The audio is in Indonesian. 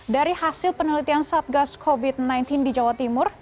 dari hasil penelitian satgas covid sembilan belas di jawa timur